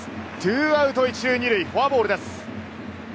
２アウト１塁２塁、フォアボールです。